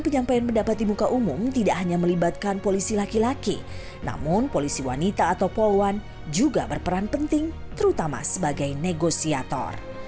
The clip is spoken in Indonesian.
penyampaian pendapat di muka umum tidak hanya melibatkan polisi laki laki namun polisi wanita atau poluan juga berperan penting terutama sebagai negosiator